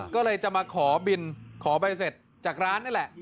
ก็เลยจะมาขอบินขอใบเสร็จจากร้านนี่แหละ